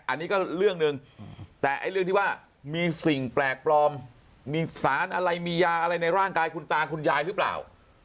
อันนี้ก็เรื่องหนึ่งแต่ไอ้เรื่องที่ว่ามีสิ่งแปลกปลอมมีสารอะไรมียาอะไรในร่างกายคุณตาคุณยายหรือเปล่า